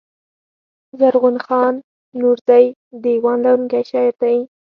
زرغون خان نورزى دېوان لرونکی شاعر دﺉ.